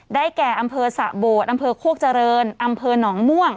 แก่อำเภอสะโบดอำเภอโคกเจริญอำเภอหนองม่วง